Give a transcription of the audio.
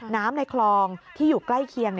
ในคลองที่อยู่ใกล้เคียง